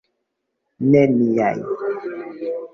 Ne niaj!